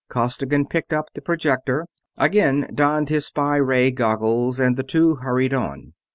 Costigan picked up the projector, again donned his spy ray goggles, and the two hurried on.